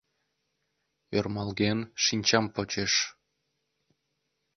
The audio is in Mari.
Ӧрмалген, шинчам почеш